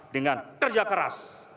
dengan kerja keras